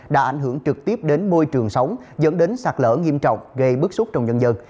đã ảnh hưởng trực tiếp đến môi trường sống dẫn đến sạt lở nghiêm trọng gây bức xúc trong nhân dân